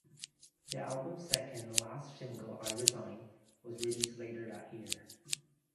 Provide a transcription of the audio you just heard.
The album's second and last single "I Resign" was released later that year.